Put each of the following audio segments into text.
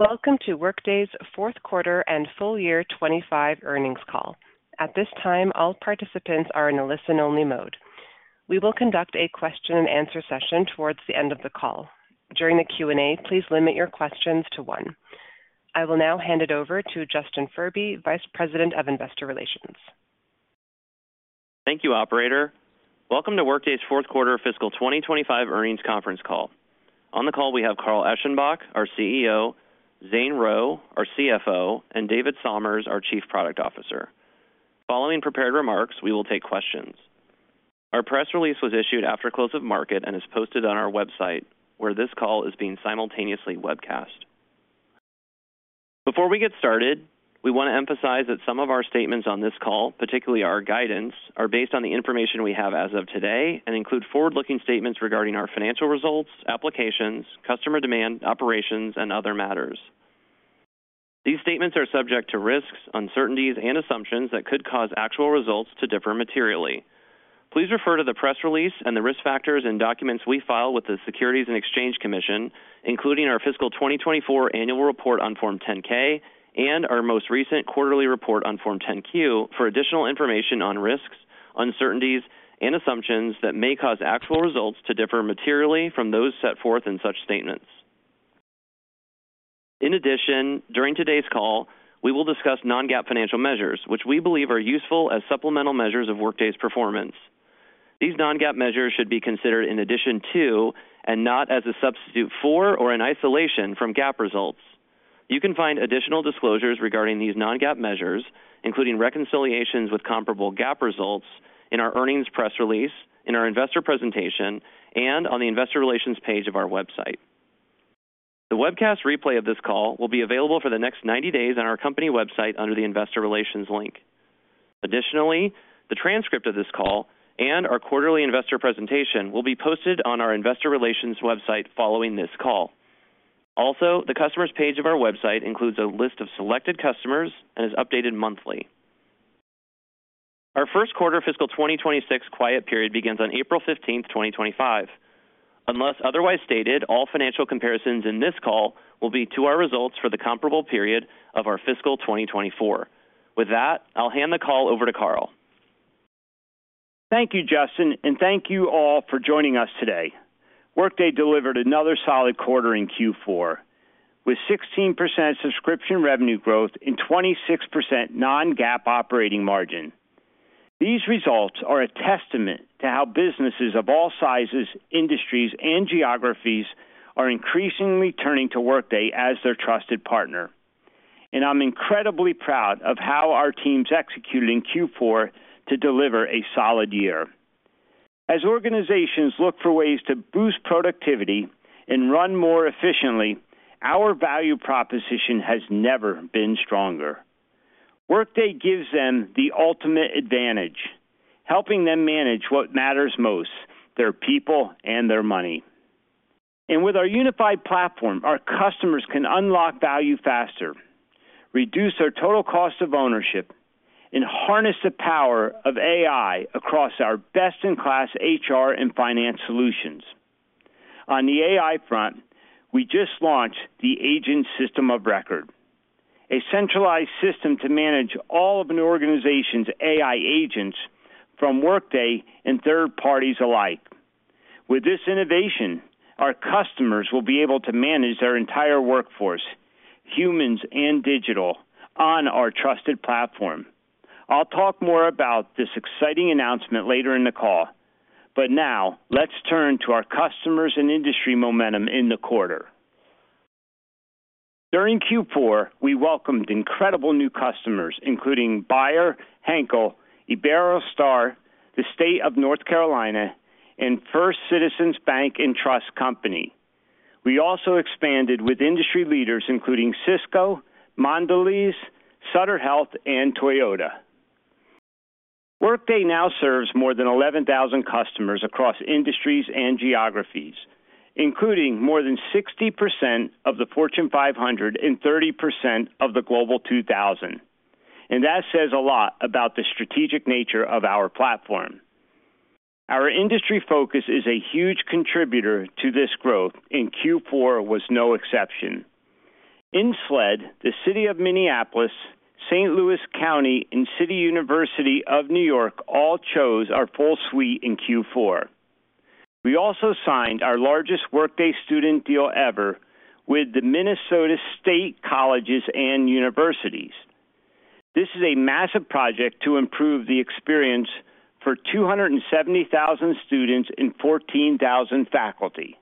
Welcome to Workday's fourth quarter and full year 2025 earnings call. At this time, all participants are in a listen-only mode. We will conduct a question-and-answer session towards the end of the call. During the Q&A, please limit your questions to one. I will now hand it over to Justin Furby, Vice President of Investor Relations. Thank you, Operator. Welcome to Workday's fourth quarter fiscal 2025 earnings conference call. On the call, we have Carl Eschenbach, our CEO, Zane Rowe, our CFO, and David Somers, our Chief Product Officer. Following prepared remarks, we will take questions. Our press release was issued after close of market and is posted on our website, where this call is being simultaneously webcast. Before we get started, we want to emphasize that some of our statements on this call, particularly our guidance, are based on the information we have as of today and include forward-looking statements regarding our financial results, applications, customer demand, operations, and other matters. These statements are subject to risks, uncertainties, and assumptions that could cause actual results to differ materially. Please refer to the press release and the risk factors and documents we file with the Securities and Exchange Commission, including our fiscal 2024 annual report on Form 10-K and our most recent quarterly report on Form 10-Q, for additional information on risks, uncertainties, and assumptions that may cause actual results to differ materially from those set forth in such statements. In addition, during today's call, we will discuss non-GAAP financial measures, which we believe are useful as supplemental measures of Workday's performance. These non-GAAP measures should be considered in addition to and not as a substitute for or in isolation from GAAP results. You can find additional disclosures regarding these non-GAAP measures, including reconciliations with comparable GAAP results, in our earnings press release, in our investor presentation, and on the investor relations page of our website. The webcast replay of this call will be available for the next 90 days on our company website under the investor relations link. Additionally, the transcript of this call and our quarterly investor presentation will be posted on our investor relations website following this call. Also, the customers page of our website includes a list of selected customers and is updated monthly. Our first quarter fiscal 2026 quiet period begins on April 15th, 2025. Unless otherwise stated, all financial comparisons in this call will be to our results for the comparable period of our fiscal 2024. With that, I'll hand the call over to Carl. Thank you, Justin, and thank you all for joining us today. Workday delivered another solid quarter in Q4 with 16% subscription revenue growth and 26% non-GAAP operating margin. These results are a testament to how businesses of all sizes, industries, and geographies are increasingly turning to Workday as their trusted partner. And I'm incredibly proud of how our teams executed in Q4 to deliver a solid year. As organizations look for ways to boost productivity and run more efficiently, our value proposition has never been stronger. Workday gives them the ultimate advantage, helping them manage what matters most: their people and their money. And with our unified platform, our customers can unlock value faster, reduce their total cost of ownership, and harness the power of AI across our best-in-class HR and finance solutions. On the AI front, we just launched the Agent System of Record, a centralized system to manage all of an organization's AI agents from Workday and third parties alike. With this innovation, our customers will be able to manage their entire workforce, humans and digital, on our trusted platform. I'll talk more about this exciting announcement later in the call. But now, let's turn to our customers and industry momentum in the quarter. During Q4, we welcomed incredible new customers, including Bayer, Henkel, Iberostar, the State of North Carolina, and First Citizens Bank and Trust Company. We also expanded with industry leaders, including Cisco, Mondelez, Sutter Health, and Toyota. Workday now serves more than 11,000 customers across industries and geographies, including more than 60% of the Fortune 500 and 30% of the Global 2000. And that says a lot about the strategic nature of our platform. Our industry focus is a huge contributor to this growth, and Q4 was no exception. In SLED, the City of Minneapolis, St. Louis County, and City University of New York all chose our full suite in Q4. We also signed our largest Workday Student deal ever with the Minnesota State Colleges and Universities. This is a massive project to improve the experience for 270,000 students and 14,000 faculty.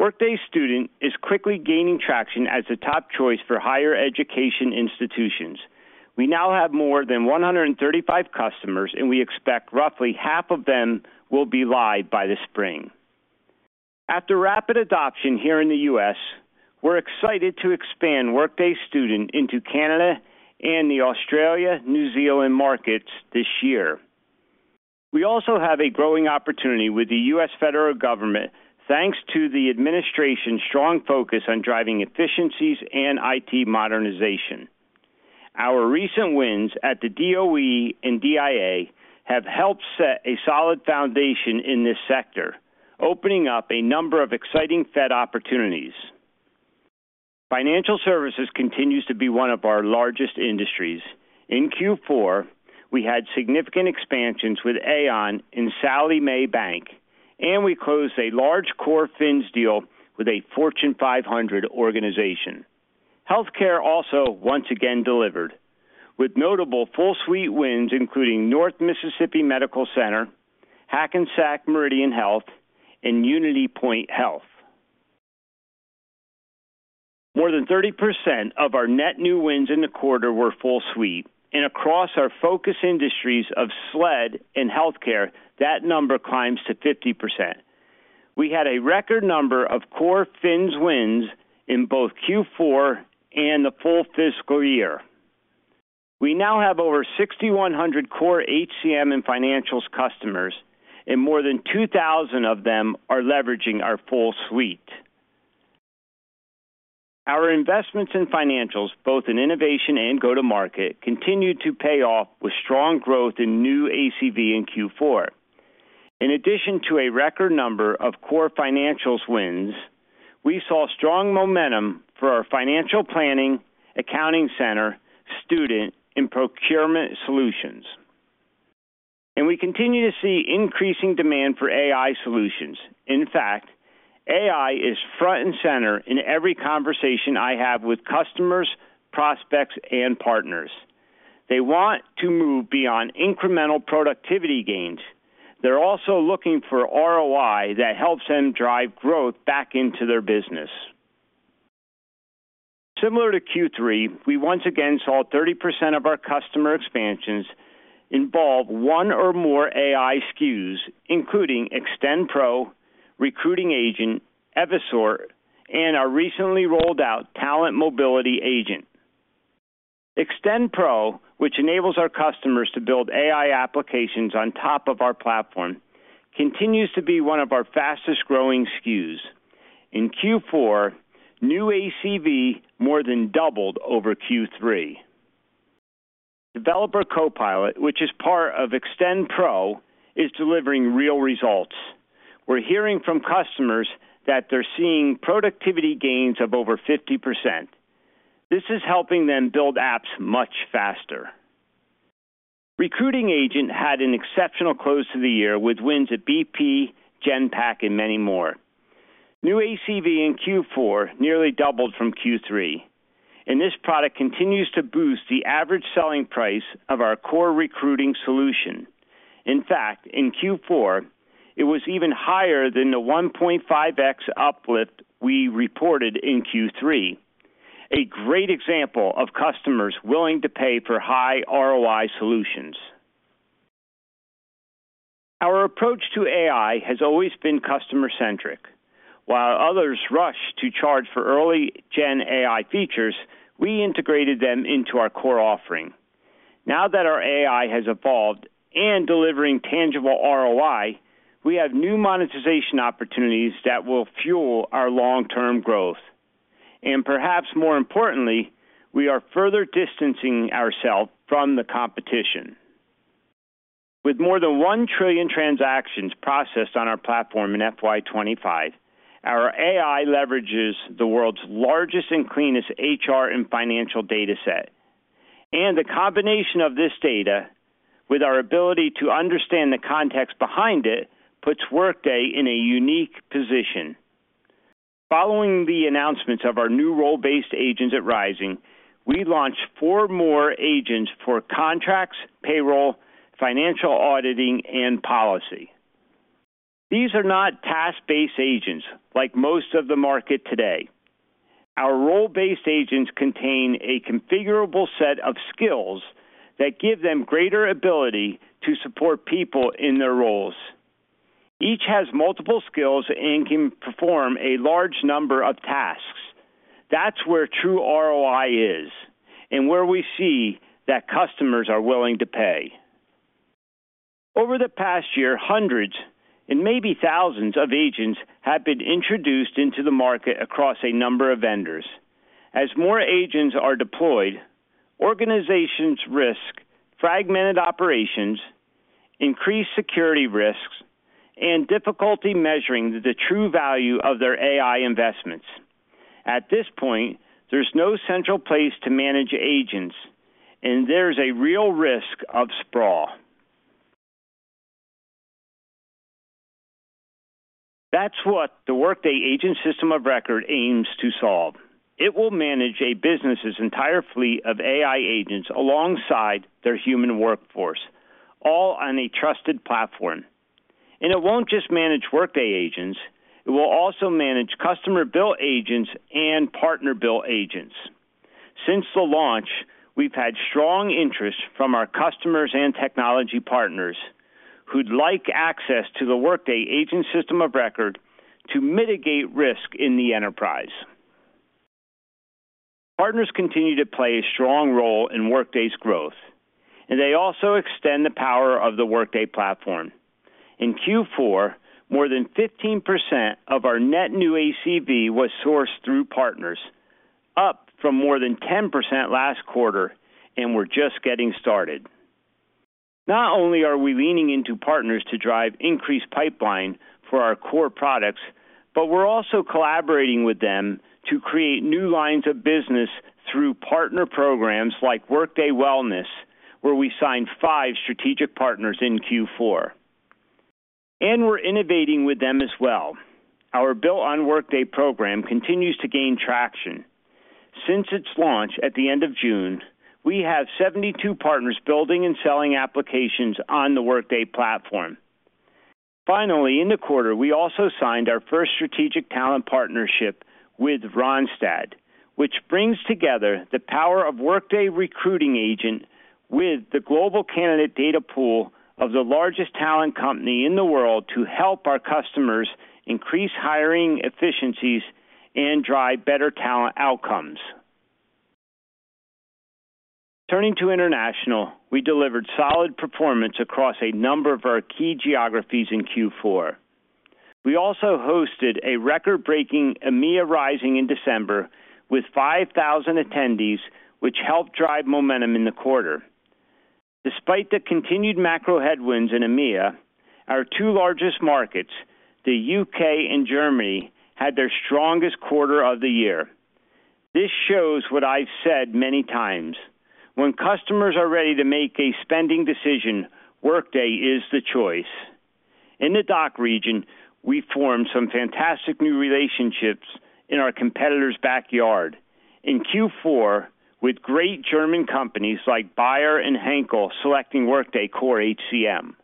Workday Student is quickly gaining traction as the top choice for higher education institutions. We now have more than 135 customers, and we expect roughly half of them will be live by the spring. After rapid adoption here in the U.S., we're excited to expand Workday Student into Canada and the Australian, New Zealand markets this year. We also have a growing opportunity with the U.S. federal government, thanks to the administration's strong focus on driving efficiencies and IT modernization. Our recent wins at the DOE and DIA have helped set a solid foundation in this sector, opening up a number of exciting Fed opportunities. Financial services continues to be one of our largest industries. In Q4, we had significant expansions with Aon and Sallie Mae, and we closed a large Core HCM deal with a Fortune 500 organization. Healthcare also once again delivered, with notable full suite wins, including North Mississippi Medical Center, Hackensack Meridian Health, and UnityPoint Health. More than 30% of our net new wins in the quarter were full suite, and across our focus industries of SLED and healthcare, that number climbs to 50%. We had a record number of Core HCM wins in both Q4 and the full fiscal year. We now have over 6,100 core HCM and financials customers, and more than 2,000 of them are leveraging our full suite. Our investments in financials, both in innovation and go-to-market, continued to pay off with strong growth in new ACV in Q4. In addition to a record number of Core Financials wins, we saw strong momentum for our financial planning, Accounting Center, Student, and procurement solutions, and we continue to see increasing demand for AI solutions. In fact, AI is front and center in every conversation I have with customers, prospects, and partners. They want to move beyond incremental productivity gains. They're also looking for ROI that helps them drive growth back into their business. Similar to Q3, we once again saw 30% of our customer expansions involve one or more AI SKUs, including Extend Pro, Recruiting Agent, Evisort, and our recently rolled out Talent Mobility Agent. Extend Pro, which enables our customers to build AI applications on top of our platform, continues to be one of our fastest-growing SKUs. In Q4, new ACV more than doubled over Q3. Developer Copilot, which is part of Extend Pro, is delivering real results. We're hearing from customers that they're seeing productivity gains of over 50%. This is helping them build apps much faster. Recruiting Agent had an exceptional close to the year with wins at BP, Genpact, and many more. New ACV in Q4 nearly doubled from Q3. And this product continues to boost the average selling price of our core recruiting solution. In fact, in Q4, it was even higher than the 1.5x uplift we reported in Q3. A great example of customers willing to pay for high ROI solutions. Our approach to AI has always been customer-centric. While others rush to charge for early-gen AI features, we integrated them into our core offering. Now that our AI has evolved and delivering tangible ROI, we have new monetization opportunities that will fuel our long-term growth, and perhaps more importantly, we are further distancing ourselves from the competition. With more than one trillion transactions processed on our platform in FY 2025, our AI leverages the world's largest and cleanest HR and financial dataset, and the combination of this data with our ability to understand the context behind it puts Workday in a unique position. Following the announcements of our new role-based agents at Rising, we launched four more agents for contracts, payroll, financial auditing, and policy. These are not task-based agents like most of the market today. Our role-based agents contain a configurable set of skills that give them greater ability to support people in their roles. Each has multiple skills and can perform a large number of tasks. That's where true ROI is, and where we see that customers are willing to pay. Over the past year, hundreds and maybe thousands of agents have been introduced into the market across a number of vendors. As more agents are deployed, organizations risk fragmented operations, increased security risks, and difficulty measuring the true value of their AI investments. At this point, there's no central place to manage agents, and there's a real risk of sprawl. That's what the Workday Agent System of Record aims to solve. It will manage a business's entire fleet of AI agents alongside their human workforce, all on a trusted platform, and it won't just manage Workday agents. It will also manage customer-built agents and partner-built agents. Since the launch, we've had strong interest from our customers and technology partners who'd like access to the Workday Agent System of Record to mitigate risk in the enterprise. Partners continue to play a strong role in Workday's growth, and they also extend the power of the Workday platform. In Q4, more than 15% of our net new ACV was sourced through partners, up from more than 10% last quarter, and we're just getting started. Not only are we leaning into partners to drive increased pipeline for our core products, but we're also collaborating with them to create new lines of business through partner programs like Workday Wellness, where we signed five strategic partners in Q4. And we're innovating with them as well. Our Built on Workday program continues to gain traction. Since its launch at the end of June, we have 72 partners building and selling applications on the Workday platform. Finally, in the quarter, we also signed our first strategic talent partnership with Randstad, which brings together the power of Workday Recruiting Agent with the global candidate data pool of the largest talent company in the world to help our customers increase hiring efficiencies and drive better talent outcomes. Turning to international, we delivered solid performance across a number of our key geographies in Q4. We also hosted a record-breaking EMEA Rising in December with 5,000 attendees, which helped drive momentum in the quarter. Despite the continued macro headwinds in EMEA, our two largest markets, the U.K. and Germany, had their strongest quarter of the year. This shows what I've said many times. When customers are ready to make a spending decision, Workday is the choice. In the DACH region, we formed some fantastic new relationships in our competitors' backyard. In Q4, with great German companies like Bayer and Henkel selecting Workday Core HCM.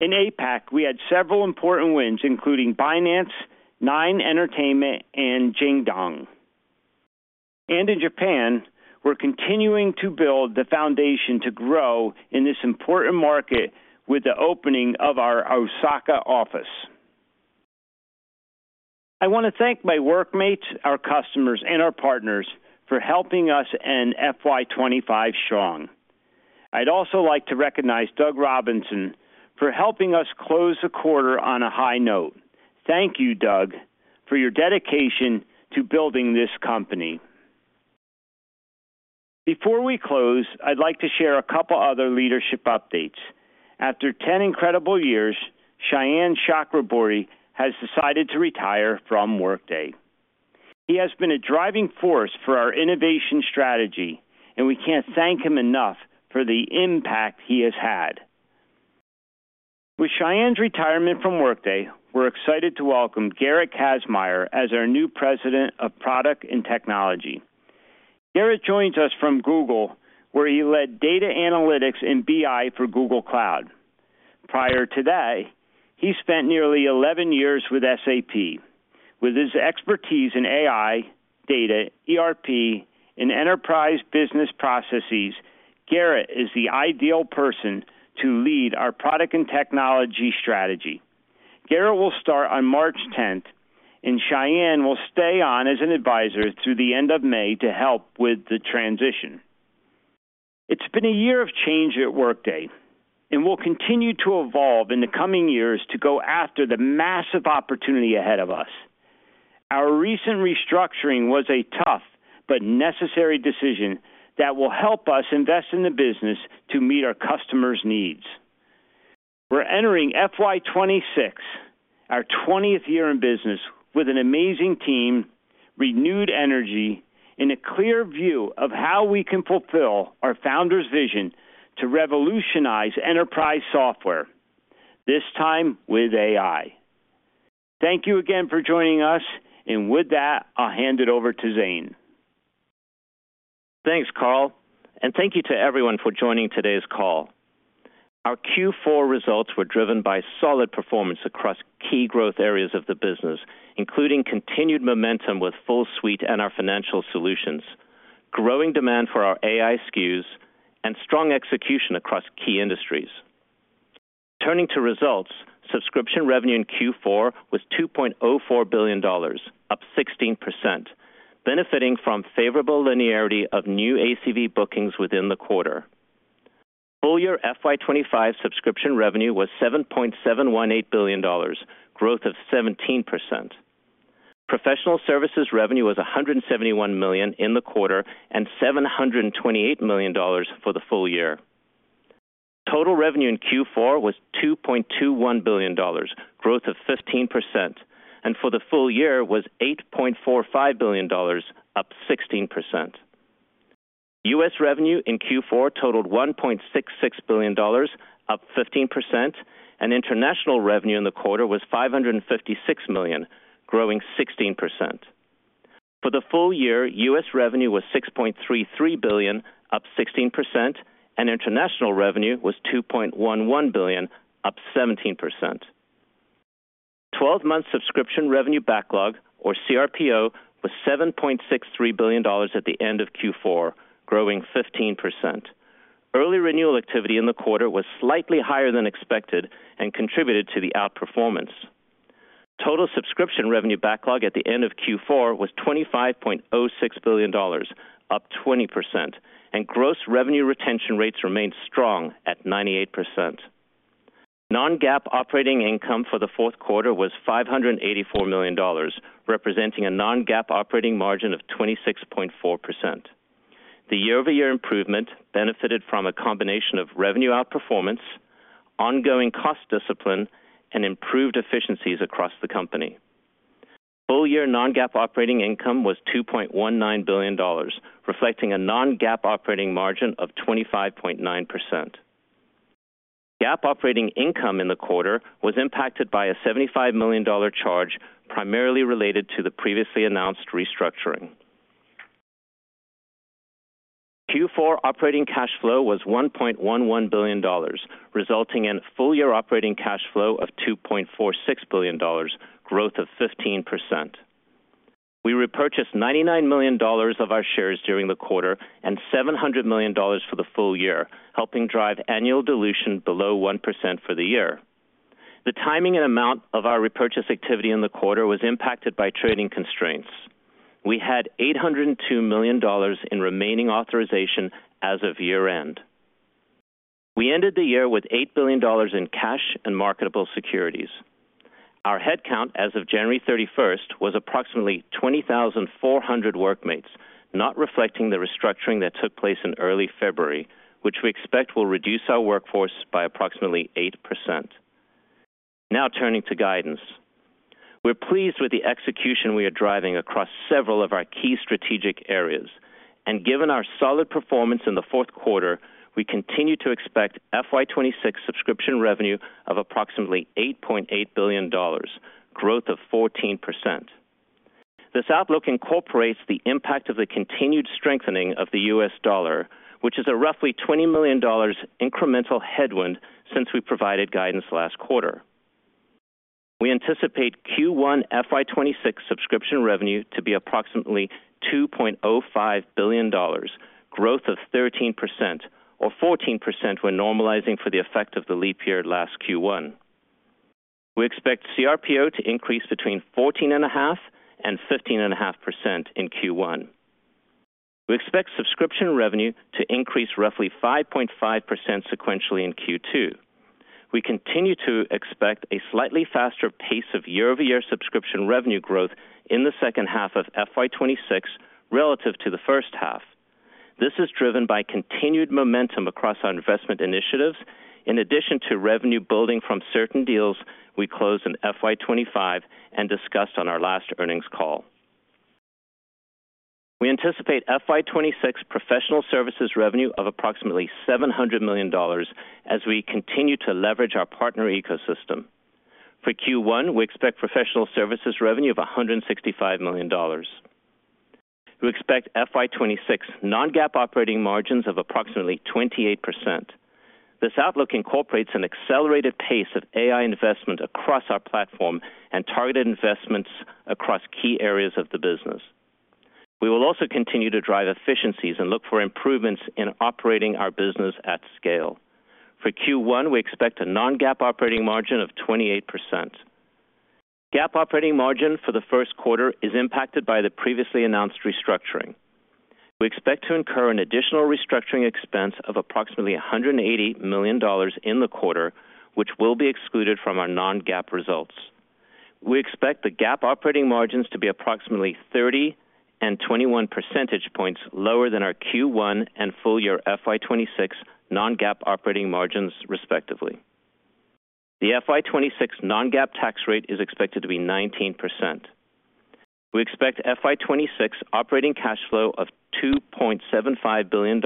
In APAC, we had several important wins, including Binance, Nine Entertainment, and Jingdong. And in Japan, we're continuing to build the foundation to grow in this important market with the opening of our Osaka office. I want to thank my workmates, our customers, and our partners for helping us end FY 2025 strong. I'd also like to recognize Doug Robinson for helping us close the quarter on a high note. Thank you, Doug, for your dedication to building this company. Before we close, I'd like to share a couple of other leadership updates. After 10 incredible years, Sayan Chakraborty has decided to retire from Workday. He has been a driving force for our innovation strategy, and we can't thank him enough for the impact he has had. With Sayan's retirement from Workday, we're excited to welcome Gerrit Kazmaier our new president of product and technology. Gerrit joins us from Google, where he led data analytics and BI for Google Cloud. Prior to that, he spent nearly 11 years with SAP. With his expertise in AI, data, ERP, and enterprise business processes, Gerrit is the ideal person to lead our product and technology strategy. Gerrit will start on March 10th, and Sayan will stay on as an advisor through the end of May to help with the transition. It's been a year of change at Workday, and we'll continue to evolve in the coming years to go after the massive opportunity ahead of us. Our recent restructuring was a tough but necessary decision that will help us invest in the business to meet our customers' needs. We're entering FY 2026, our 20th year in business, with an amazing team, renewed energy, and a clear view of how we can fulfill our founders' vision to revolutionize enterprise software, this time with AI. Thank you again for joining us, and with that, I'll hand it over to Zane. Thanks, Carl, and thank you to everyone for joining today's call. Our Q4 results were driven by solid performance across key growth areas of the business, including continued momentum with full suite and our financial solutions, growing demand for our AI SKUs, and strong execution across key industries. Turning to results, subscription revenue in Q4 was $2.04 billion, up 16%, benefiting from favorable linearity of new ACV bookings within the quarter. Full year FY 2025 subscription revenue was $7.718 billion, growth of 17%. Professional services revenue was $171 million in the quarter and $728 million for the full year. Total revenue in Q4 was $2.21 billion, growth of 15%, and for the full year was $8.45 billion, up 16%. U.S. revenue in Q4 totaled $1.66 billion, up 15%, and international revenue in the quarter was $556 million, growing 16%. For the full year, U.S. revenue was $6.33 billion, up 16%, and international revenue was $2.11 billion, up 17%. 12-month subscription revenue backlog, or CRPO, was $7.63 billion at the end of Q4, growing 15%. Early renewal activity in the quarter was slightly higher than expected and contributed to the outperformance. Total subscription revenue backlog at the end of Q4 was $25.06 billion, up 20%, and gross revenue retention rates remained strong at 98%. Non-GAAP operating income for the fourth quarter was $584 million, representing a non-GAAP operating margin of 26.4%. The year-over-year improvement benefited from a combination of revenue outperformance, ongoing cost discipline, and improved efficiencies across the company. Full year non-GAAP operating income was $2.19 billion, reflecting a non-GAAP operating margin of 25.9%. GAAP operating income in the quarter was impacted by a $75 million charge primarily related to the previously-announced restructuring. Q4 operating cash flow was $1.11 billion, resulting in full year operating cash flow of $2.46 billion, growth of 15%. We repurchased $99 million of our shares during the quarter and $700 million for the full year, helping drive annual dilution below 1% for the year. The timing and amount of our repurchase activity in the quarter was impacted by trading constraints. We had $802 million in remaining authorization as of year-end. We ended the year with $8 billion in cash and marketable securities. Our headcount as of January 31st was approximately 20,400 workmates, not reflecting the restructuring that took place in early February, which we expect will reduce our workforce by approximately 8%. Now turning to guidance. We're pleased with the execution we are driving across several of our key strategic areas and given our solid performance in the fourth quarter, we continue to expect FY 2026 subscription revenue of approximately $8.8 billion, growth of 14%. This outlook incorporates the impact of the continued strengthening of the U.S. dollar, which is a roughly $20 million incremental headwind since we provided guidance last quarter. We anticipate Q1 FY 2026 subscription revenue to be approximately $2.05 billion, growth of 13% or 14% when normalizing for the effect of the lead period last Q1. We expect CRPO to increase between 14.5% and 15.5% in Q1. We expect subscription revenue to increase roughly 5.5% sequentially in Q2. We continue to expect a slightly faster pace of year-over-year subscription revenue growth in the second half of FY 2026 relative to the first half. This is driven by continued momentum across our investment initiatives, in addition to revenue building from certain deals we closed in FY 2025 and discussed on our last earnings call. We anticipate FY 2026 professional services revenue of approximately $700 million as we continue to leverage our partner ecosystem. For Q1, we expect professional services revenue of $165 million. We expect FY 2026 non-GAAP operating margins of approximately 28%. This outlook incorporates an accelerated pace of AI investment across our platform and targeted investments across key areas of the business. We will also continue to drive efficiencies and look for improvements in operating our business at scale. For Q1, we expect a non-GAAP operating margin of 28%. GAAP operating margin for the first quarter is impacted by the previously announced restructuring. We expect to incur an additional restructuring expense of approximately $180 million in the quarter, which will be excluded from our non-GAAP results. We expect the GAAP operating margins to be approximately 30 and 21 percentage points lower than our Q1 and full year FY 2026 non-GAAP operating margins, respectively. The FY 2026 non-GAAP tax rate is expected to be 19%. We expect FY 2026 operating cash flow of $2.75 billion,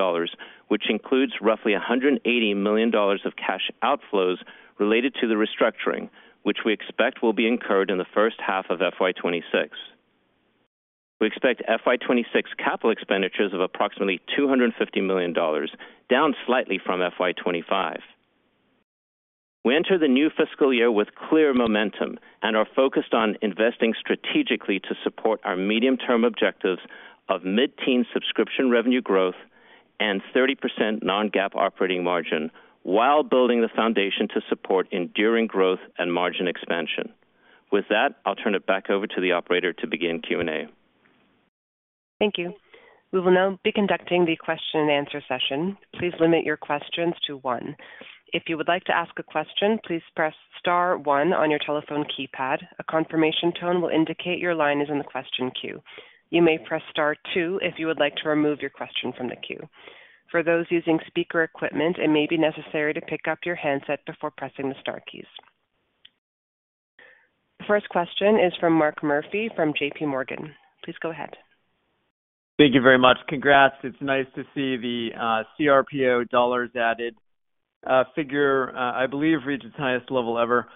which includes roughly $180 million of cash outflows related to the restructuring, which we expect will be incurred in the first half of FY 2026. We expect FY 2026 capital expenditures of approximately $250 million, down slightly from FY 2025. We enter the new fiscal year with clear momentum and are focused on investing strategically to support our medium-term objectives of mid-teen subscription revenue growth and 30% non-GAAP operating margin while building the foundation to support enduring growth and margin expansion. With that, I'll turn it back over to the operator to begin Q&A. Thank you. We will now be conducting the question-and-answer session. Please limit your questions to one. If you would like to ask a question, please press star one on your telephone keypad. A confirmation tone will indicate your line is in the question queue. You may press Star 2 if you would like to remove your question from the queue. For those using speaker equipment, it may be necessary to pick up your handset before pressing the Star keys. The first question is from Mark Murphy from JPMorgan. Please go ahead. Thank you very much. Congrats. It's nice to see the CRPO dollars added figure, I believe, reach its highest level ever.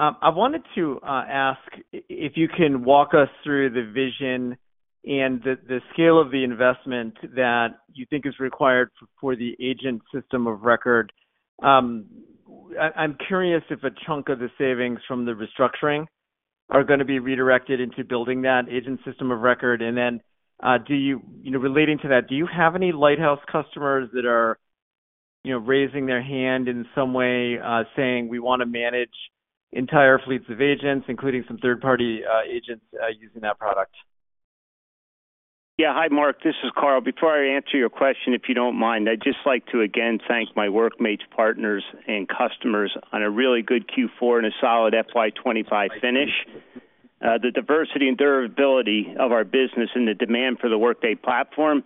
I wanted to ask if you can walk us through the vision and the scale of the investment that you think is required for the agent system of record. I'm curious if a chunk of the savings from the restructuring are going to be redirected into building that agent system of record. And then relating to that, do you have any lighthouse customers that are raising their hand in some way saying, "We want to manage entire fleets of agents, including some third-party agents using that product"? Yeah. Hi, Mark. This is Carl. Before I answer your question, if you don't mind, I'd just like to again thank my workmates, partners, and customers on a really good Q4 and a solid FY 2025 finish. The diversity and durability of our business and the demand for the Workday platform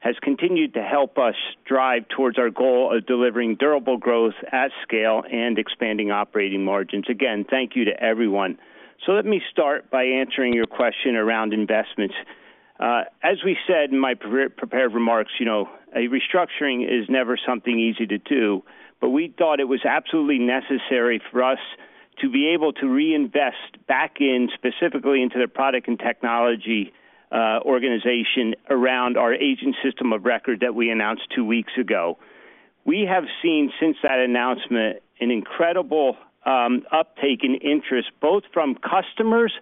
has continued to help us drive towards our goal of delivering durable growth at scale and expanding operating margins. Again, thank you to everyone. So let me start by answering your question around investments. As we said in my prepared remarks, restructuring is never something easy to do, but we thought it was absolutely necessary for us to be able to reinvest back in, specifically into the product and technology organization around our agent system of record that we announced two weeks ago. We have seen since that announcement an incredible uptake in interest, both from customers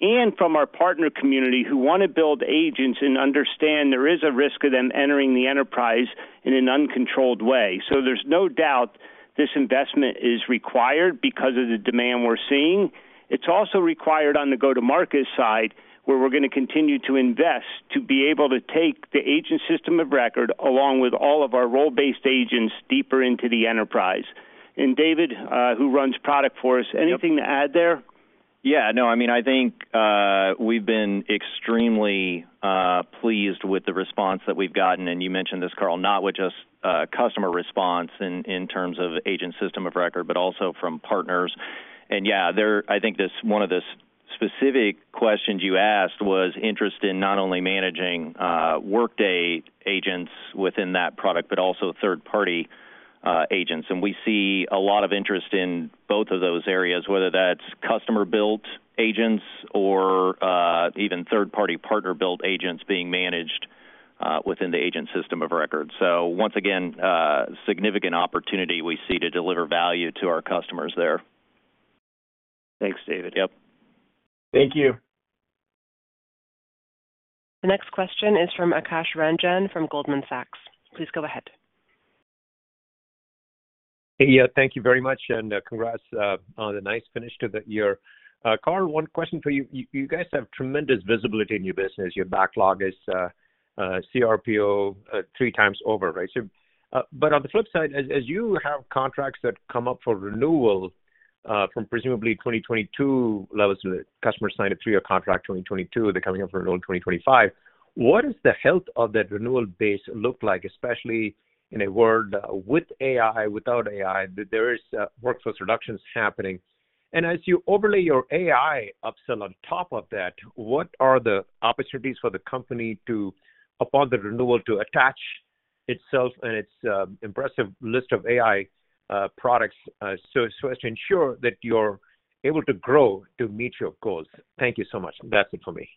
and from our partner community who want to build agents and understand there is a risk of them entering the enterprise in an uncontrolled way. So there's no doubt this investment is required because of the demand we're seeing. It's also required on the go-to-market side where we're going to continue to invest to be able to take the Agent System of Record along with all of our role-based agents deeper into the enterprise. And David, who runs product for us, anything to add there? Yeah. No, I mean, I think we've been extremely pleased with the response that we've gotten. And you mentioned this, Carl, not with just customer response in terms of Agent System of Record, but also from partners. And yeah, I think one of the specific questions you asked was interest in not only managing Workday agents within that product, but also third-party agents. And we see a lot of interest in both of those areas, whether that's customer-built agents or even third-party partner-built agents being managed within the Agent System of Record. So once again, significant opportunity we see to deliver value to our customers there. Thanks, David. Yep. Thank you. The next question is from Kash Rangan from Goldman Sachs. Please go ahead. Yeah. Thank you very much, and congrats on the nice finish to the year. Carl, one question for you. You guys have tremendous visibility in your business. Your backlog is CRPO 3x over, right? But on the flip side, as you have contracts that come up for renewal from presumably 2022, customers signed a three-year contract in 2022. They're coming up for renewal in 2025. What does the health of that renewal base look like, especially in a world with AI, without AI? There are workforce reductions happening. And as you overlay your AI upsell on top of that, what are the opportunities for the company to, upon the renewal, attach itself and its impressive list of AI products so as to ensure that you're able to grow to meet your goals? Thank you so much. That's it for me.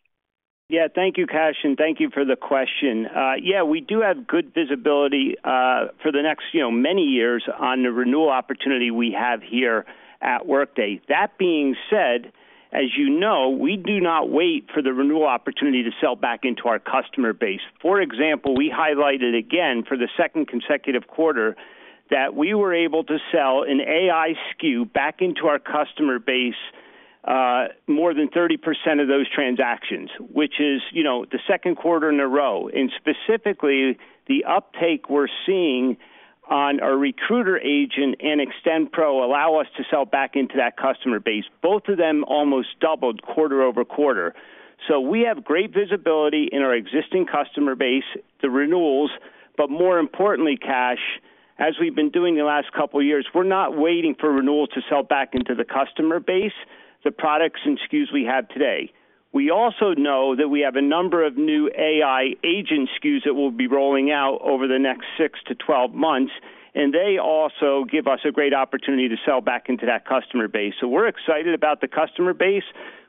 Yeah. Thank you, Kash, and thank you for the question. Yeah, we do have good visibility for the next many years on the renewal opportunity we have here at Workday. That being said, as you know, we do not wait for the renewal opportunity to sell back into our customer base. For example, we highlighted again for the second consecutive quarter that we were able to sell an AI SKU back into our customer base, more than 30% of those transactions, which is the second quarter in a row. Specifically, the uptake we're seeing on our Recruiting Agent and Extend Pro allows us to sell back into that customer base. Both of them almost doubled quarter-over-quarter. We have great visibility in our existing customer base, the renewals, but more importantly, Kash, as we've been doing the last couple of years, we're not waiting for renewals to sell back into the customer base, the products and SKUs we have today. We also know that we have a number of new AI agent SKUs that will be rolling out over the next 6-12 months, and they also give us a great opportunity to sell back into that customer base. So we're excited about the customer base,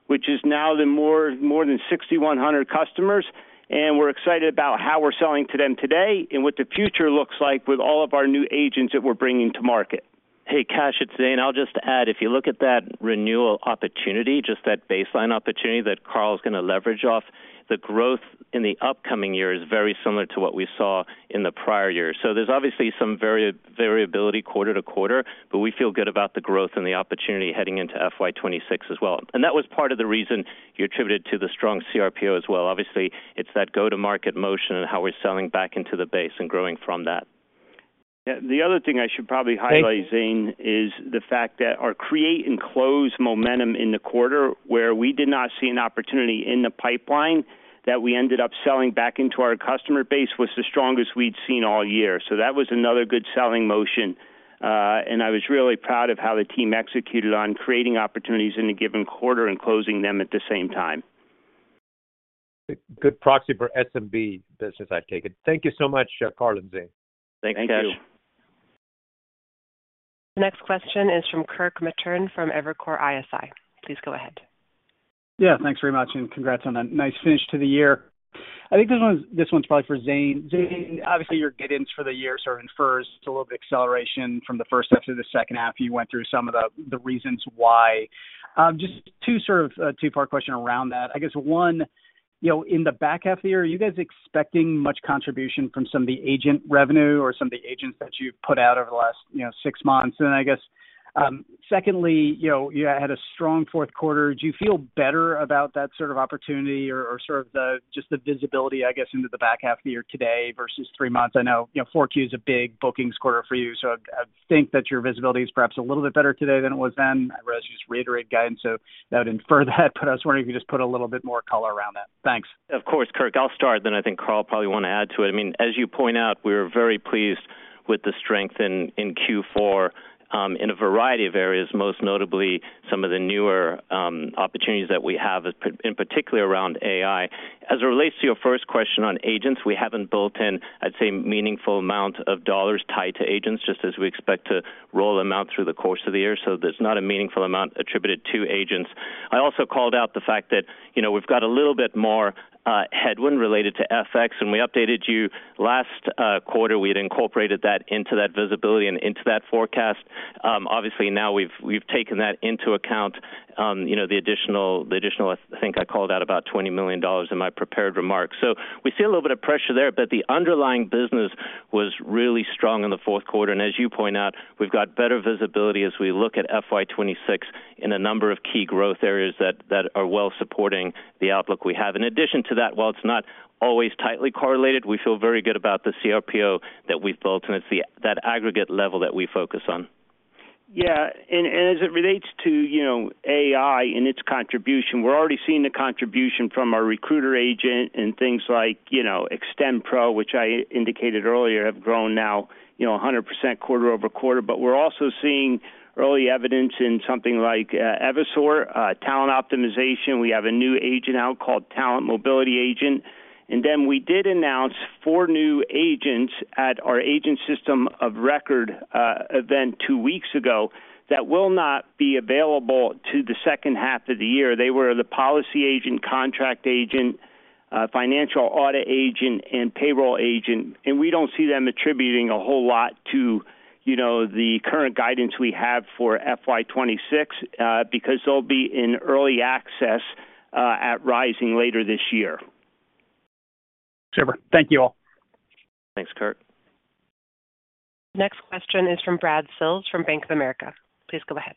which is now more than 6,100 customers, and we're excited about how we're selling to them today and what the future looks like with all of our new agents that we're bringing to market. Hey, Kash, it's Zane. I'll just add, if you look at that renewal opportunity, just that baseline opportunity that Carl's going to leverage off, the growth in the upcoming year is very similar to what we saw in the prior year. So there's obviously some variability quarter-to-quarter, but we feel good about the growth and the opportunity heading into FY 2026 as well. And that was part of the reason you attributed to the strong CRPO as well. Obviously, it's that go-to-market motion and how we're selling back into the base and growing from that. The other thing I should probably highlight, Zane, is the fact that our create and close momentum in the quarter where we did not see an opportunity in the pipeline that we ended up selling back into our customer base was the strongest we'd seen all year. So that was another good selling motion. And I was really proud of how the team executed on creating opportunities in a given quarter and closing them at the same time. Good proxy for SMB business, I take it. Thank you so much, Carl and Zane. Thank you. Thank you. The next question is from Kirk Materne from Evercore ISI. Please go ahead. Yeah. Thanks very much, and congrats on that nice finish to the year. I think this one's probably for Zane. Zane, obviously, your guidance for the year sort of infers a little bit of acceleration from the first half to the second half. You went through some of the reasons why. Just two sort of two-part question around that. I guess one, in the back half of the year, are you guys expecting much contribution from some of the agent revenue or some of the agents that you've put out over the last six months? And I guess secondly, you had a strong fourth quarter. Do you feel better about that sort of opportunity or sort of just the visibility, I guess, into the back half of the year today versus three months? I know Q4 is a big bookings quarter for you, so I think that your visibility is perhaps a little bit better today than it was then. I realize you just reiterated guidance, so that would infer that, but I was wondering if you could just put a little bit more color around that. Thanks. Of course, Kirk. I'll start, then I think Carl probably want to add to it. I mean, as you point out, we were very pleased with the strength in Q4 in a variety of areas, most notably some of the newer opportunities that we have, in particular around AI. As it relates to your first question on agents, we haven't built in, I'd say, a meaningful amount of dollars tied to agents, just as we expect to roll them out through the course of the year. So there's not a meaningful amount attributed to agents. I also called out the fact that we've got a little bit more headwind related to FX. When we updated you last quarter, we had incorporated that into that visibility and into that forecast. Obviously, now we've taken that into account, the additional. I think I called out about $20 million in my prepared remarks. So we see a little bit of pressure there, but the underlying business was really strong in the fourth quarter. And as you point out, we've got better visibility as we look at FY 2026 in a number of key growth areas that are well-supporting the outlook we have. In addition to that, while it's not always tightly correlated, we feel very good about the CRPO that we've built, and it's that aggregate level that we focus on. Yeah. And as it relates to AI and its contribution, we're already seeing the contribution from our recruiter agent and things like Extend Pro, which I indicated earlier, have grown now 100% quarter-over-quarter. But we're also seeing early evidence in something like Evisort, talent optimization. We have a new agent out called Talent Mobility Agent. And then we did announce four new agents at our Agent System of Record event two weeks ago that will not be available to the second half of the year. They were financial audit agent, and Payroll Agent. And we don't see them attributing a whole lot to the current guidance we have for FY 2026 because they'll be in early access arriving later this year. Super. Thank you all. Thanks, Kirk. The next question is from Brad Sills from Bank of America. Please go ahead.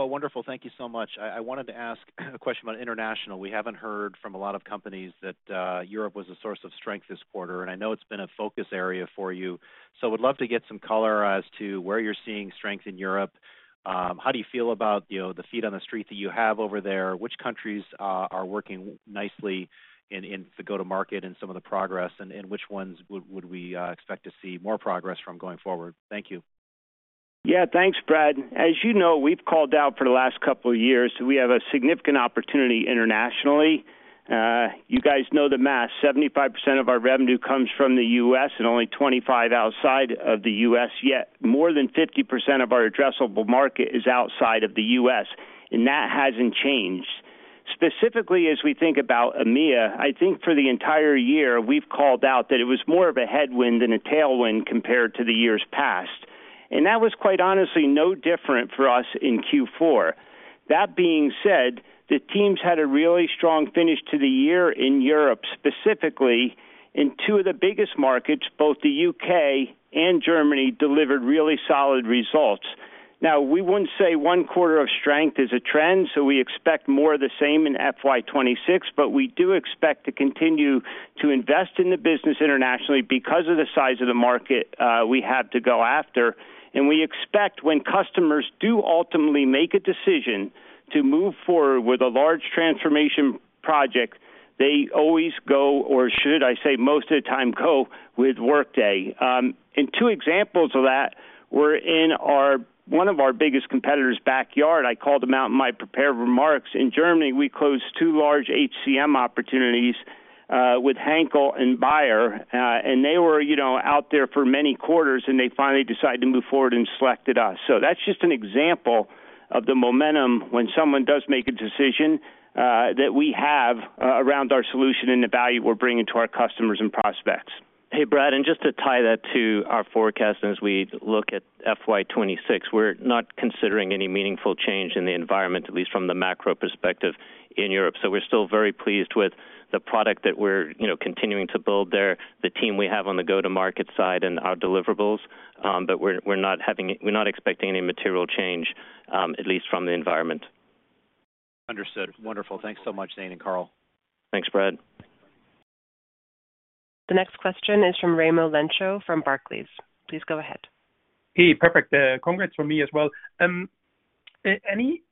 Oh, wonderful. Thank you so much. I wanted to ask a question about international. We haven't heard from a lot of companies that Europe was a source of strength this quarter, and I know it's been a focus area for you. So I would love to get some color as to where you're seeing strength in Europe. How do you feel about the feet on the street that you have over there? Which countries are working nicely in the go-to-market and some of the progress, and which ones would we expect to see more progress from going forward? Thank you. Yeah. Thanks, Brad. As you know, we've called out for the last couple of years that we have a significant opportunity internationally. You guys know the math. 75% of our revenue comes from the U.S. and only 25% outside of the U.S. Yet more than 50% of our addressable market is outside of the U.S., and that hasn't changed. Specifically, as we think about EMEA, I think for the entire year, we've called out that it was more of a headwind than a tailwind compared to the years past, and that was, quite honestly, no different for us in Q4. That being said, the teams had a really strong finish to the year in Europe, specifically in two of the biggest markets, both the U.K. and Germany delivered really solid results. Now, we wouldn't say one quarter of strength is a trend, so we expect more of the same in FY 2026, but we do expect to continue to invest in the business internationally because of the size of the market we have to go after, and we expect when customers do ultimately make a decision to move forward with a large transformation project, they always go, or should I say most of the time go with Workday. And two examples of that were in one of our biggest competitors' backyard. I called them out in my prepared remarks. In Germany, we closed two large HCM opportunities with Henkel and Bayer, and they were out there for many quarters, and they finally decided to move forward and selected us. So that's just an example of the momentum when someone does make a decision that we have around our solution and the value we're bringing to our customers and prospects. Hey, Brad, and just to tie that to our forecast, as we look at FY 2026, we're not considering any meaningful change in the environment, at least from the macro perspective in Europe. So we're still very pleased with the product that we're continuing to build there, the team we have on the go-to-market side, and our deliverables, but we're not expecting any material change, at least from the environment. Understood. Wonderful. Thanks so much, Zane and Carl. Thanks, Brad. The next question is from Raimo Lenschow from Barclays. Please go ahead. Hey, perfect. Congrats from me as well. Any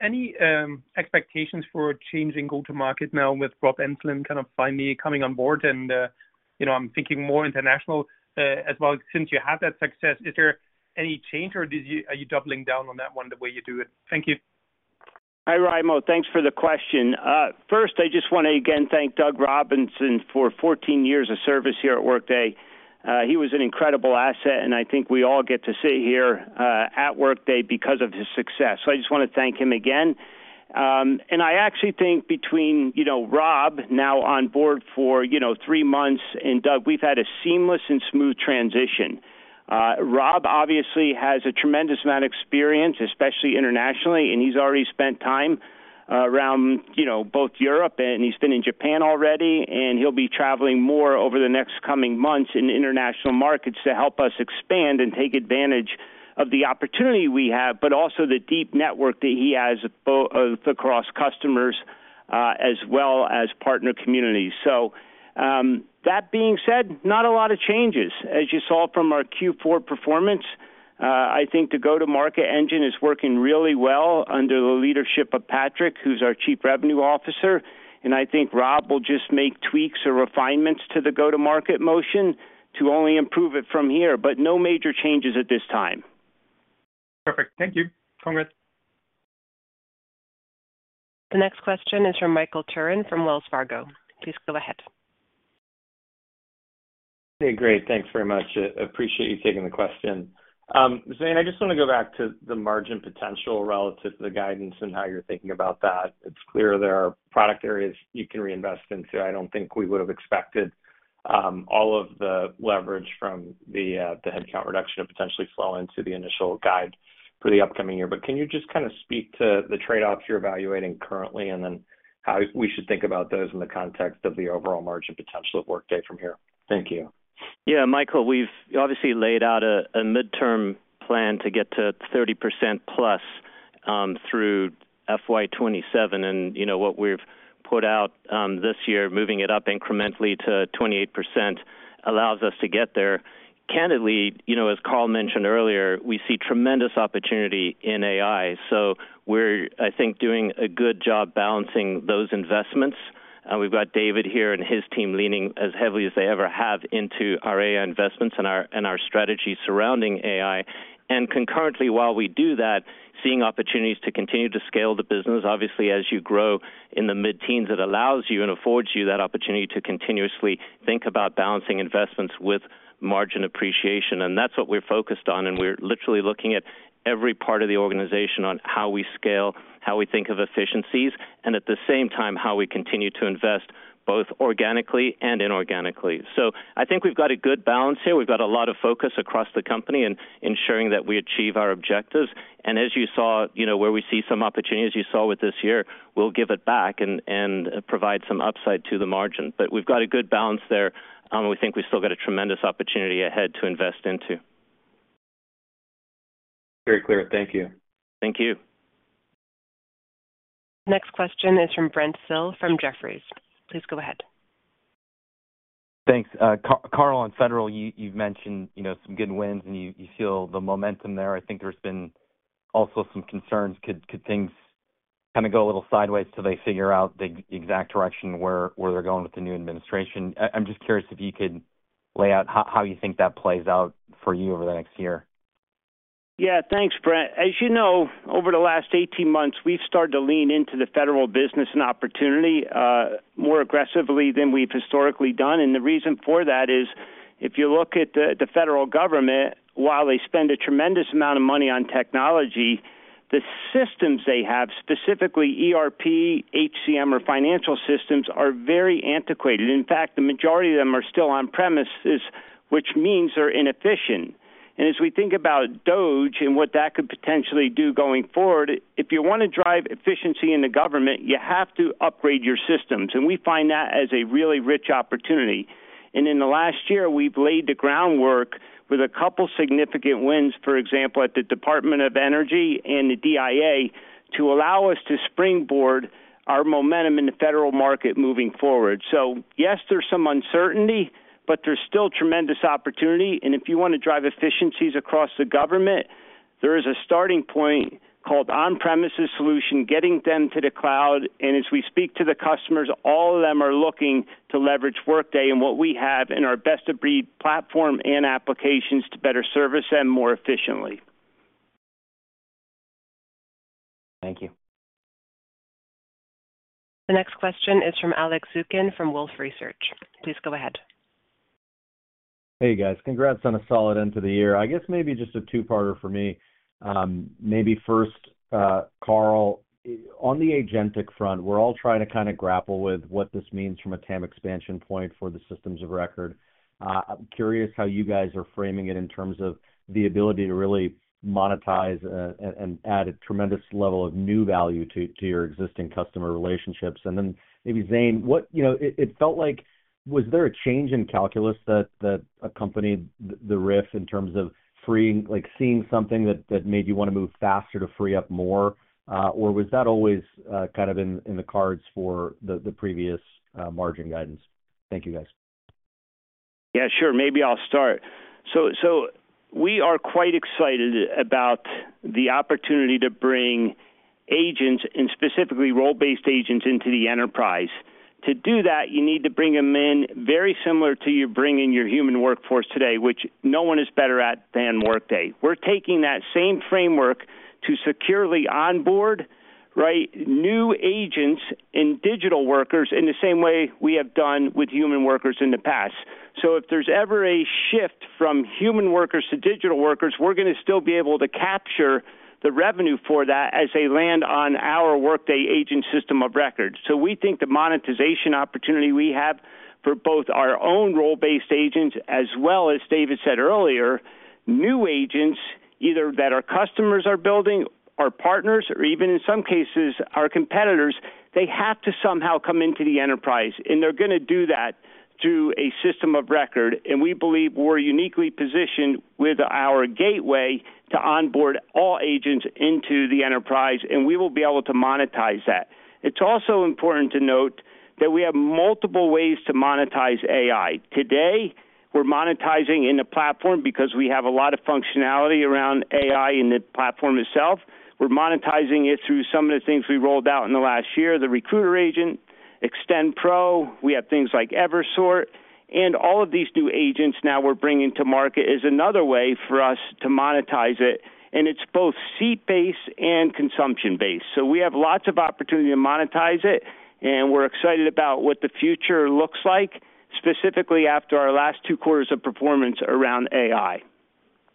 expectations for changing go-to-market now with Rob Enslin kind of finally coming on board? And I'm thinking more international as well. Since you have that success, is there any change, or are you doubling down on that one the way you do it? Thank you. Hi, Raimo. Thanks for the question. First, I just want to again thank Doug Robinson for 14 years of service here at Workday. He was an incredible asset, and I think we all get to sit here at Workday because of his success. So I just want to thank him again. And I actually think between Rob now on board for three months and Doug, we've had a seamless and smooth transition. Rob obviously has a tremendous amount of experience, especially internationally, and he's already spent time around both Europe, and he's been in Japan already, and he'll be traveling more over the next coming months in international markets to help us expand and take advantage of the opportunity we have, but also the deep network that he has both across customers as well as partner communities, so that being said, not a lot of changes. As you saw from our Q4 performance, I think the go-to-market engine is working really well under the leadership of Patrick, who's our Chief Revenue Officer, and I think Rob will just make tweaks or refinements to the go-to-market motion to only improve it from here, but no major changes at this time. Perfect. Thank you. Congrats. The next question is from Michael Turrin from Wells Fargo. Please go ahead. Hey, great. Thanks very much. Appreciate you taking the question. Zane, I just want to go back to the margin potential relative to the guidance and how you're thinking about that. It's clear there are product areas you can reinvest into. I don't think we would have expected all of the leverage from the headcount reduction to potentially flow into the initial guide for the upcoming year, but can you just kind of speak to the trade-offs you're evaluating currently and then how we should think about those in the context of the overall margin potential of Workday from here? Thank you. Yeah. Michael, we've obviously laid out a midterm plan to get to 30% plus through FY 2027, and what we've put out this year, moving it up incrementally to 28%, allows us to get there. Candidly, as Carl mentioned earlier, we see tremendous opportunity in AI. We're, I think, doing a good job balancing those investments. We've got David here and his team leaning as heavily as they ever have into our AI investments and our strategy surrounding AI. And concurrently, while we do that, seeing opportunities to continue to scale the business. Obviously, as you grow in the mid-teens, it allows you and affords you that opportunity to continuously think about balancing investments with margin appreciation. And that's what we're focused on. And we're literally looking at every part of the organization on how we scale, how we think of efficiencies, and at the same time, how we continue to invest both organically and inorganically. I think we've got a good balance here. We've got a lot of focus across the company in ensuring that we achieve our objectives. And as you saw, where we see some opportunities, you saw with this year, we'll give it back and provide some upside to the margin. But we've got a good balance there, and we think we still got a tremendous opportunity ahead to invest into. Very clear. Thank you. Thank you. The next question is from Brent Thill from Jefferies. Please go ahead. Thanks. Carl, on federal, you've mentioned some good wins, and you feel the momentum there. I think there's been also some concerns. Could things kind of go a little sideways till they figure out the exact direction where they're going with the new administration? I'm just curious if you could lay out how you think that plays out for you over the next year. Yeah. Thanks, Brent. As you know, over the last 18 months, we've started to lean into the federal business and opportunity more aggressively than we've historically done. And the reason for that is if you look at the federal government, while they spend a tremendous amount of money on technology, the systems they have, specifically ERP, HCM, or financial systems, are very antiquated. In fact, the majority of them are still on-premises, which means they're inefficient. And as we think about DOGE and what that could potentially do going forward, if you want to drive efficiency in the government, you have to upgrade your systems. And we find that as a really rich opportunity. And in the last year, we've laid the groundwork with a couple of significant wins, for example, at the Department of Energy and the DIA, to allow us to springboard our momentum in the federal market moving forward. So yes, there's some uncertainty, but there's still tremendous opportunity. And if you want to drive efficiencies across the government, there is a starting point called on-premises solution, getting them to the cloud. And as we speak to the customers, all of them are looking to leverage Workday and what we have in our best-of-breed platform and applications to better service them more efficiently. Thank you. The next question is from Alex Zukin from Wolfe Research. Please go ahead. Hey, guys. Congrats on a solid end to the year. I guess maybe just a two-parter for me. Maybe first, Carl, on the agentic front, we're all trying to kind of grapple with what this means from a TAM expansion point for the systems of record. I'm curious how you guys are framing it in terms of the ability to really monetize and add a tremendous level of new value to your existing customer relationships. And then maybe, Zane, it felt like was there a change in calculus that accompanied the shift in terms of seeing something that made you want to move faster to free up more? Or was that always kind of in the cards for the previous margin guidance? Thank you, guys. Yeah, sure. Maybe I'll start. So we are quite excited about the opportunity to bring agents, and specifically role-based agents, into the enterprise. To do that, you need to bring them in very similar to you bringing your human workforce today, which no one is better at than Workday. We're taking that same framework to securely onboard new agents and digital workers in the same way we have done with human workers in the past. So if there's ever a shift from human workers to digital workers, we're going to still be able to capture the revenue for that as they land on our Workday Agent System of Record. So we think the monetization opportunity we have for both our own role-based agents, as well as David said earlier, new agents, either that our customers are building, our partners, or even in some cases, our competitors. They have to somehow come into the enterprise. And they're going to do that through a system of record. And we believe we're uniquely-positioned with our gateway to onboard all agents into the enterprise, and we will be able to monetize that. It's also important to note that we have multiple ways to monetize AI. Today, we're monetizing in the platform because we have a lot of functionality around AI in the platform itself. We're monetizing it through some of the things we rolled out in the last year: the Recruiting Agent, Extend Pro. We have things like Evisort. And all of these new agents now we're bringing to market is another way for us to monetize it. And it's both seat-based and consumption-based. So we have lots of opportunity to monetize it, and we're excited about what the future looks like, specifically after our last two quarters of performance around AI.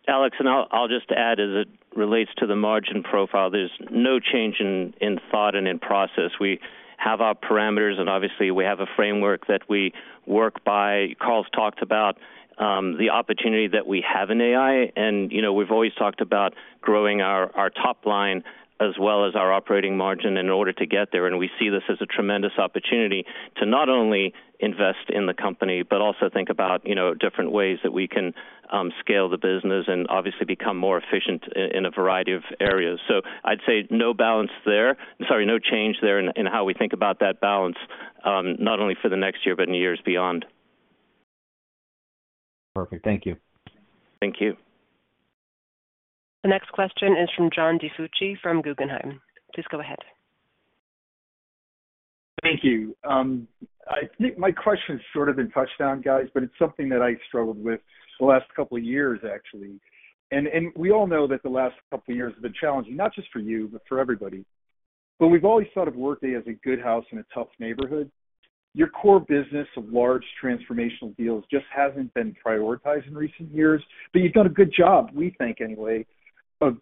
Alex, and I'll just add as it relates to the margin profile, there's no change in thought and in process. We have our parameters, and obviously, we have a framework that we work by. Carl's talked about the opportunity that we have in AI, and we've always talked about growing our top line as well as our operating margin in order to get there, and we see this as a tremendous opportunity to not only invest in the company, but also think about different ways that we can scale the business and obviously become more efficient in a variety of areas, so I'd say no balance there, sorry, no change there in how we think about that balance, not only for the next year, but in years beyond. Perfect. Thank you. Thank you. The next question is from John DiFucci from Guggenheim. Please go ahead. Thank you. I think my question's sort of been touched on, guys, but it's something that I struggled with the last couple of years, actually. And we all know that the last couple of years have been challenging, not just for you, but for everybody. But we've always thought of Workday as a good house in a tough neighborhood. Your core business of large transformational deals just hasn't been prioritized in recent years. But you've done a good job, we think anyway, of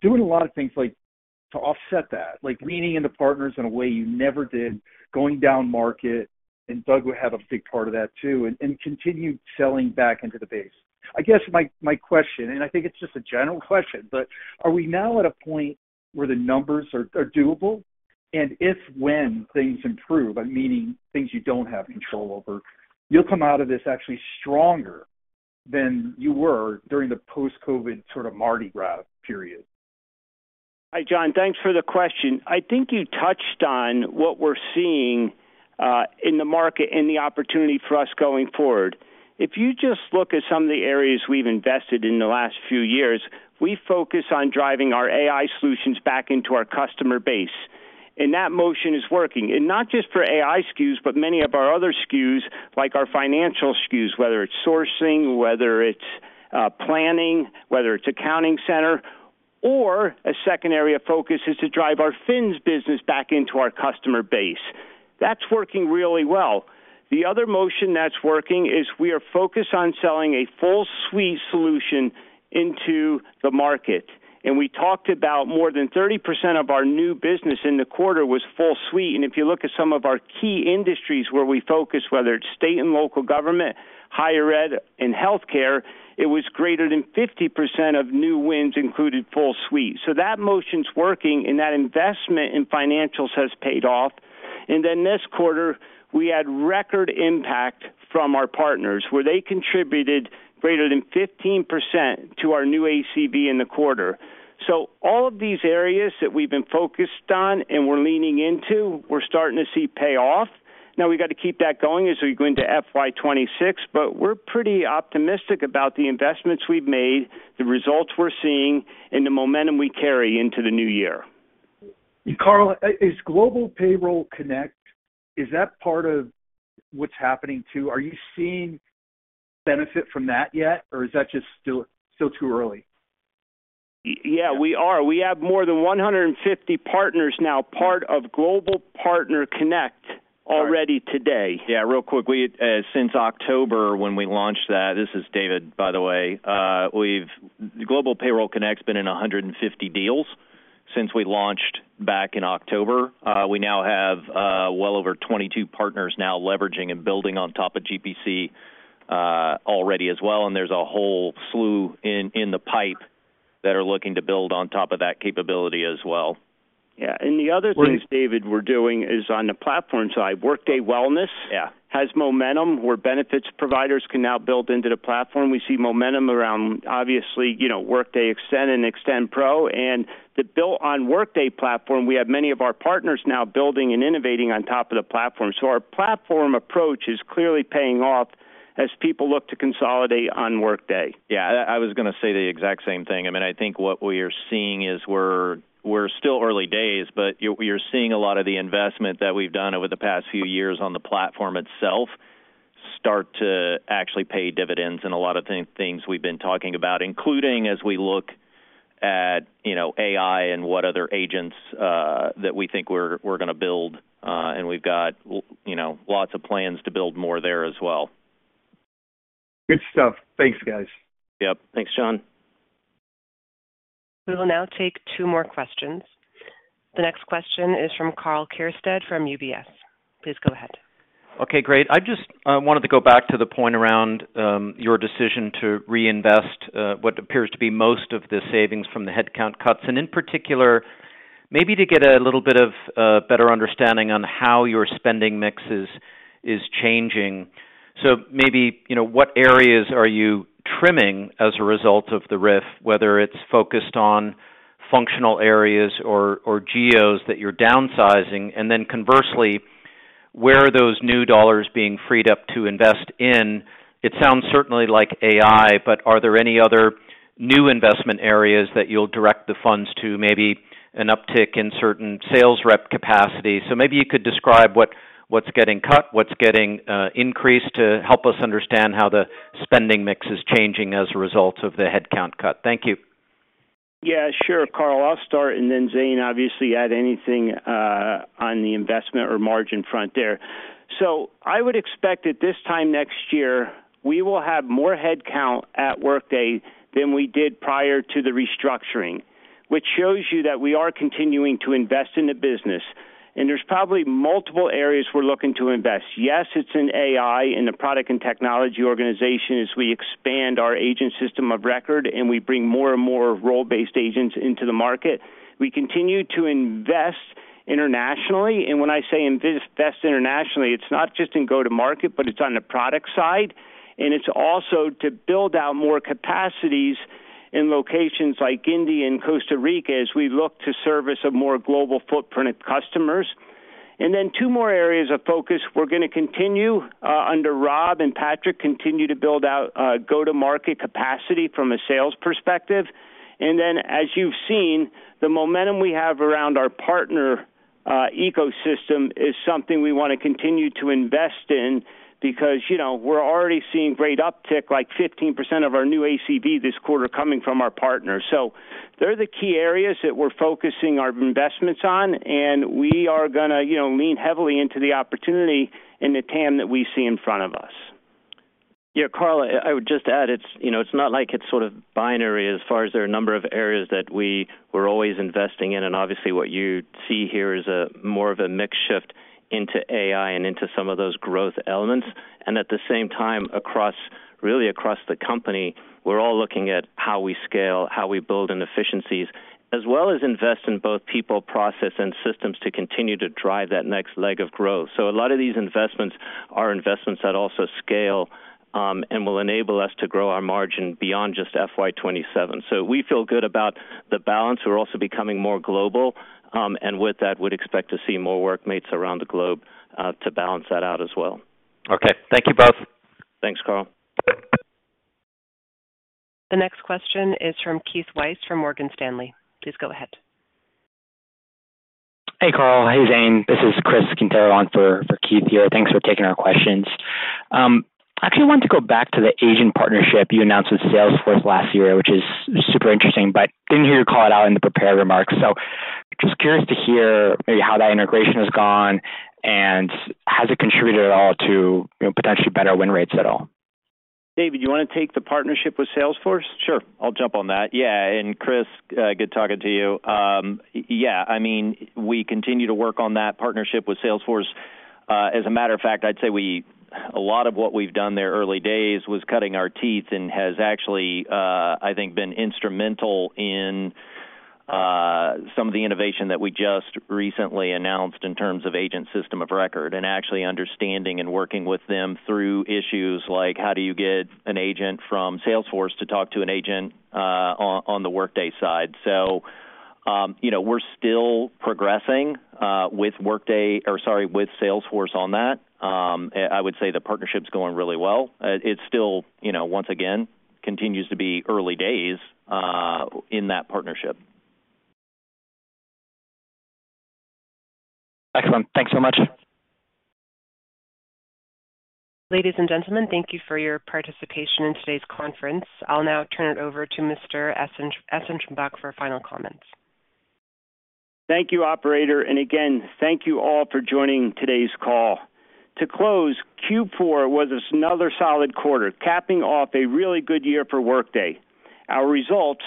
doing a lot of things to offset that, like leaning into partners in a way you never did, going down market. And Doug would have a big part of that too, and continue selling back into the base. I guess my question, and I think it's just a general question, but are we now at a point where the numbers are doable? And if, when things improve, meaning things you don't have control over, you'll come out of this actually stronger than you were during the post-COVID sort of Mardi Gras period. Hi, John. Thanks for the question. I think you touched on what we're seeing in the market and the opportunity for us going forward. If you just look at some of the areas we've invested in the last few years, we focus on driving our AI solutions back into our customer base. And that motion is working. And not just for AI SKUs, but many of our other SKUs, like our financial SKUs, whether it's sourcing, whether it's planning, whether it's Accounting Center, or a second area of focus is to drive our FINS business back into our customer base. That's working really well. The other motion that's working is we are focused on selling a full-suite solution into the market. And we talked about more than 30% of our new business in the quarter was full-suite. And if you look at some of our key industries where we focus, whether it's state and local government, higher ed, and healthcare, it was greater than 50% of new wins included full suite. So that motion's working, and that investment in financials has paid off. And then this quarter, we had record impact from our partners where they contributed greater than 15% to our new ACV in the quarter. So all of these areas that we've been focused on and we're leaning into, we're starting to see payoff. Now we got to keep that going as we go into FY 2026, but we're pretty optimistic about the investments we've made, the results we're seeing, and the momentum we carry into the new year. Carl, is Global Payroll Connect - is that part of what's happening too? Are you seeing benefit from that yet, or is that just still too early? Yeah, we are. We have more than 150 partners now, part of Global Payroll Connect already today. Yeah, real quickly, since October when we launched that, this is David, by the way, Global Payroll Connect's been in 150 deals since we launched back in October. We now have well over 22 partners now leveraging and building on top of GPC already as well. And there's a whole slew in the pipe that are looking to build on top of that capability as well. Yeah. And the other things, David, we're doing is on the platform side. Workday Wellness has momentum where benefits providers can now build into the platform. We see momentum around, obviously, Workday Extend and Extend Pro. And the Built on Workday platform, we have many of our partners now building and innovating on top of the platform. So our platform approach is clearly paying off as people look to consolidate on Workday. Yeah, I was going to say the exact same thing. I mean, I think what we are seeing is we're still early days, but you're seeing a lot of the investment that we've done over the past few years on the platform itself start to actually pay dividends in a lot of things we've been talking about, including as we look at AI and what other agents that we think we're going to build. And we've got lots of plans to build more there as well. Good stuff. Thanks, guys. Yep. Thanks, John. We will now take two more questions. The next question is from Karl Keirstead from UBS. Please go ahead. Okay, great. I just wanted to go back to the point around your decision to reinvest what appears to be most of the savings from the headcount cuts. In particular, maybe to get a little bit of better understanding on how your spending mix is changing. So maybe what areas are you trimming as a result of the RIF, whether it's focused on functional areas or orgs that you're downsizing? Then, conversely, where are those new dollars being freed up to invest in? It sounds certainly like AI, but are there any other new investment areas that you'll direct the funds to, maybe an uptick in certain sales rep capacity? So maybe you could describe what's getting cut, what's getting increased to help us understand how the spending mix is changing as a result of the headcount cut. Thank you. Yeah, sure. Karl, I'll start. Then Zane obviously add anything on the investment or margin front there. I would expect that this time next year, we will have more headcount at Workday than we did prior to the restructuring, which shows you that we are continuing to invest in the business. There's probably multiple areas we're looking to invest. Yes, it's in AI and the product and technology organization as we expand our agent system of record and we bring more and more role-based agents into the market. We continue to invest internationally. When I say invest internationally, it's not just in go-to-market, but it's on the product side. It's also to build out more capacities in locations like India and Costa Rica as we look to service a more global footprint of customers. Then two more areas of focus. We're going to continue under Rob and Patrick, continue to build out go-to-market capacity from a sales perspective. And then, as you've seen, the momentum we have around our partner ecosystem is something we want to continue to invest in because we're already seeing great uptick, like 15% of our new ACV this quarter coming from our partners. So they're the key areas that we're focusing our investments on. And we are going to lean heavily into the opportunity and the TAM that we see in front of us. Yeah, Carl, I would just add it's not like it's sort of binary as far as there are a number of areas that we were always investing in. And obviously, what you see here is more of a mix shift into AI and into some of those growth elements. And at the same time, really across the company, we're all looking at how we scale, how we build in efficiencies, as well as invest in both people, process, and systems to continue to drive that next leg of growth. So a lot of these investments are investments that also scale and will enable us to grow our margin beyond just FY 2027. So we feel good about the balance. We're also becoming more global. And with that, we'd expect to see more workmates around the globe to balance that out as well. Okay. Thank you both. Thanks, Carl. The next question is from Keith Weiss from Morgan Stanley. Please go ahead. Hey, Carl. Hey, Zane. This is Chris Quintero on for Keith here. Thanks for taking our questions. Actually, I wanted to go back to the agent partnership you announced with Salesforce last year, which is super interesting, but didn't hear you call it out in the prepared remarks. So just curious to hear how that integration has gone and has it contributed at all to potentially better win rates at all? David, do you want to take the partnership with Salesforce? Sure. I'll jump on that. Yeah. And Chris, good talking to you. Yeah. I mean, we continue to work on that partnership with Salesforce. As a matter of fact, I'd say a lot of what we've done there early days was cutting our teeth and has actually, I think, been instrumental in some of the innovation that we just recently announced in terms of agent system of record and actually understanding and working with them through issues like how do you get an agent from Salesforce to talk to an agent on the Workday side. So we're still progressing with Workday or, sorry, with Salesforce on that. I would say the partnership's going really well. It still, once again, continues to be early days in that partnership. Excellent. Thanks so much. Ladies and gentlemen, thank you for your participation in today's conference. I'll now turn it over to Mr. Carl Eschenbach for final comments. Thank you, operator. And again, thank you all for joining today's call. To close, Q4 was another solid quarter, capping off a really good year for Workday. Our results,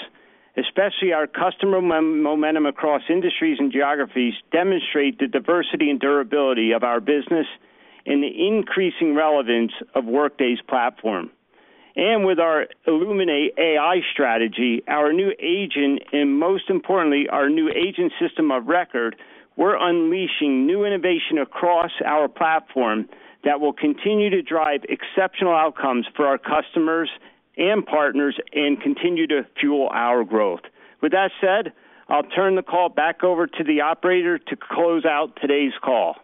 especially our customer momentum across industries and geographies, demonstrate the diversity and durability of our business and the increasing relevance of Workday's platform. And with our Illuminate AI strategy, our new agent, and most importantly, our new agent system of record, we're unleashing new innovation across our platform that will continue to drive exceptional outcomes for our customers and partners and continue to fuel our growth. With that said, I'll turn the call back over to the operator to close out today's call.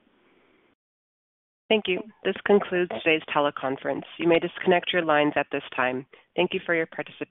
Thank you. This concludes today's teleconference. You may disconnect your lines at this time. Thank you for your participation.